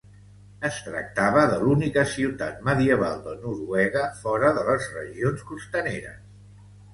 Es tractava de l'única ciutat medieval de Noruega fora de les regions costaneres.